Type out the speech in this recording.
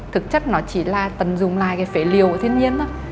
thực chất nó chỉ là tần dùng lại cái phế liều của thiên nhiên thôi